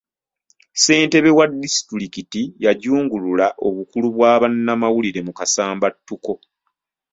Ssentebe wa disitulikiti yajungulula obukulu bwa bannamawulire mu kasambattuko.